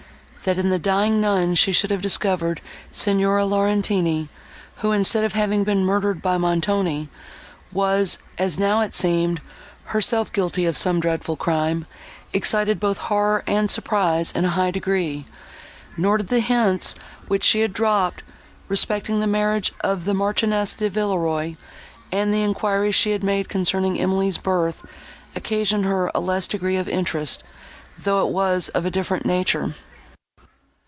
That in the dying nun she should have discovered Signora Laurentini, who, instead of having been murdered by Montoni, was, as it now seemed, herself guilty of some dreadful crime, excited both horror and surprise in a high degree; nor did the hints, which she had dropped, respecting the marriage of the Marchioness de Villeroi, and the enquiries she had made concerning Emily's birth, occasion her a less degree of interest, though it was of a different nature.